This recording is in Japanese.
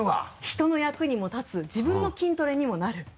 人の役にも立つ自分の筋トレにもなる。